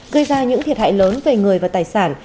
gây ra những thiệt hại lớn về người và tài sản